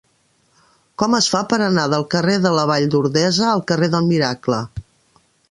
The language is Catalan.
Com es fa per anar del carrer de la Vall d'Ordesa al carrer del Miracle?